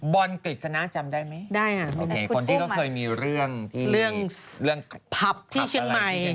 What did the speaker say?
บอลกฤษณะจำได้ไหมได้ค่ะเป็นคนที่ก็เคยมีเรื่องเรื่องภัพที่เชียงใหม่